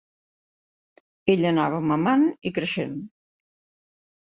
Ell anava mamant i creixent.